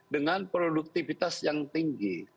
dengan produktivitas yang tinggi